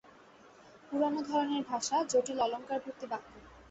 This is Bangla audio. পুরানাে ধরনের ভাষা, জটিল অলংকার ভর্তি বাক্য।